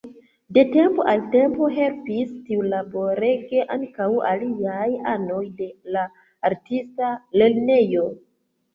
De tempo al tempo helpis tiulaborege ankaŭ aliaj anoj de la artista lernejo.